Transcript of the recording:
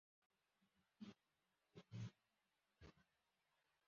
Itsinda ryabagore bambaye imyenda yera bagenda muri nyakatsi